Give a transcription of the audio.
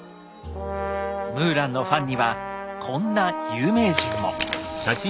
ムーランのファンにはこんな有名人も。